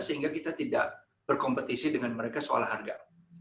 sehingga kita tidak berkompetisi dengan mereka soal harga